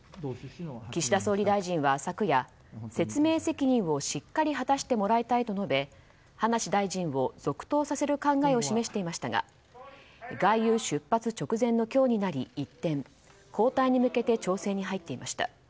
岸田総理大臣は昨夜説明責任をしっかり果たしてもらいたいと述べ葉梨大臣を続投させる考えを示していましたが外遊出発直前の今日になり、一転交代に向けて調整に入っていました。